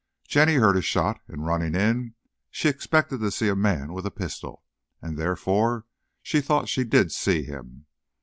Jenny heard a shot, and running in, she expected to see a man with a pistol, therefore, she thought she did see him.